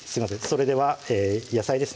それでは野菜ですね